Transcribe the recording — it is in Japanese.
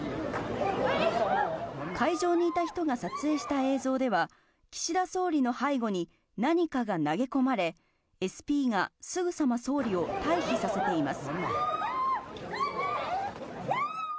会場にいた人が撮影した映像では、岸田総理の背後に何かが投げ込まれ、ＳＰがすぐさま総理を退避させています。